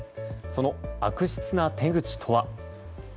その悪質な手口とは。